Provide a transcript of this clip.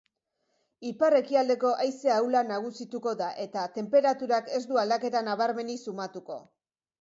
Ipar-ekialdeko haize ahula nagusituko da eta tenperaturak ez du aldaketa nabarmenik sumatuko.